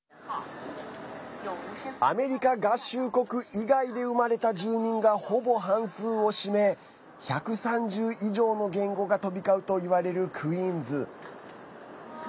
アメリカ合衆国以外で生まれた住民が、ほぼ半数を占め１３０以上の言語が飛び交うといわれるクイーンズ。